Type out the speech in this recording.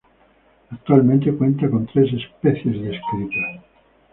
Actualmente cuenta con tres especies descritas.